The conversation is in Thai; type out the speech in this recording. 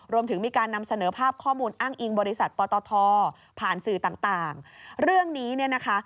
รวมถึงมีการนำเสนอภาพข้อมูลอ้างอิงบริษัทปตทผ่านสื่อต่างต่างเรื่องนี้เนี่ยนะคะ